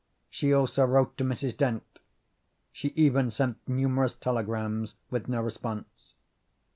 She also wrote to Mrs. Dent; she even sent numerous telegrams, with no response.